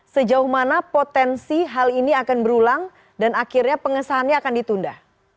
sejauh mana potensi hal ini akan berulang dan akhirnya pengesahannya akan ditunda